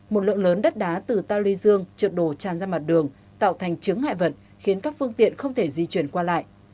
một lượng lớn đất đá từ tàu lê dương trượt đổ tràn ra mặt đường tạo thành chứng hại vật khiến các phương tiện không thể di chuyển qua lại